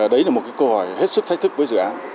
đấy là một câu hỏi hết sức thách thức với dự án